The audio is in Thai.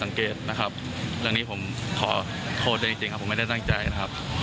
ห้องน้ำครับเรื่องนี้ผมเดี๋ยวไม่ได้ตั้งใจนะครับ